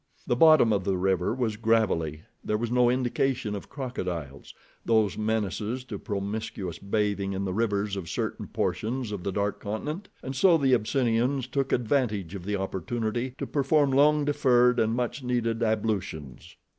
The bottom of the river was gravelly, there was no indication of crocodiles, those menaces to promiscuous bathing in the rivers of certain portions of the dark continent, and so the Abyssinians took advantage of the opportunity to perform long deferred, and much needed, ablutions.